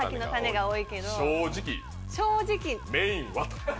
正直メインは？と。